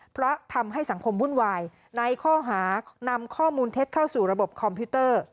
เพราะทำให้สังคมวุ่นวายในข้อหานำข้อมูลเท็จเข้าสู่ระบบคอมพิวเตอร์